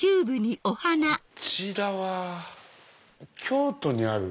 こちらは京都にある。